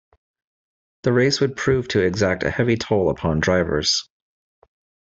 The race would prove to exact a heavy toll upon drivers.